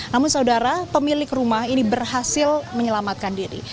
namun saudara pemilik rumah ini berhasil menyelamatkan diri